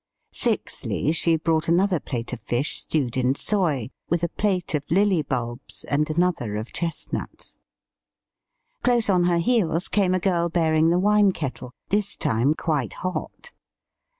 Sixthly, she brought another plate of fish stewed in soy, with a plate of lily bulbs and another of chestnuts. Close on her heels came a girl bearing the wine kettle, this time quite hot.